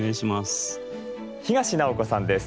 東直子さんです。